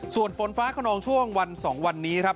ส่วนฝนฟ้าขนองช่วงวัน๒วันนี้ครับ